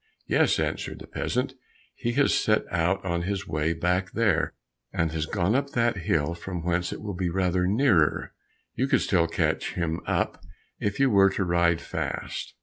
"Yes," answered the peasant, "he has set out on his way back there, and has gone up that hill, from whence it will be rather nearer; you could still catch him up, if you were to ride fast."